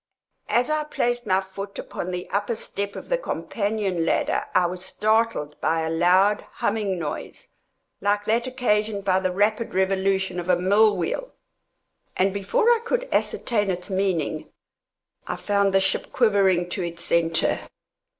As I placed my foot upon the upper step of the companion ladder, I was startled by a loud, humming noise, like that occasioned by the rapid revolution of a mill wheel, and before I could ascertain its meaning, I found the ship quivering to its centre.